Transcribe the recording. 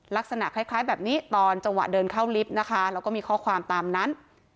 ลักษณะคล้ายแบบนี้ตอนจังหวะเดินเข้าลิฟต์นะคะแล้วก็มีข้อความตามนั้น